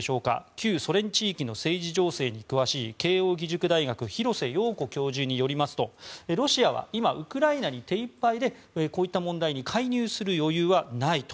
旧ソ連地域の政治情勢に詳しい慶應義塾大学の廣瀬陽子教授によりますとロシアは今、ウクライナに手いっぱいでこういった問題に介入する余裕はないと。